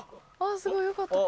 すごいよかった。